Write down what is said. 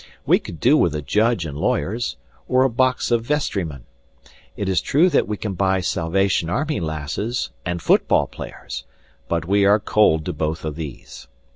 We could do with a judge and lawyers, or a box of vestrymen. It is true that we can buy Salvation Army lasses and football players, but we are cold to both of these.